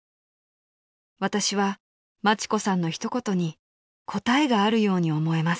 ［私は町子さんの一言に答えがあるように思えます］